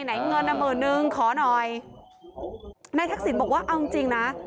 เงินน่ะหมื่นนึงขอหน่อยนายทักษิณบอกว่าเอาจริงจริงนะ